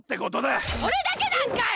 それだけなんかい！